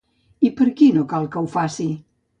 I per qui no cal que ho faci?